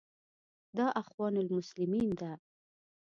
دا اخوان المسلمین ده.